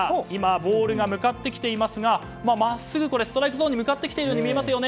ボールが向かってきていますがまっすぐストライクゾーンに向かってきているように見えます。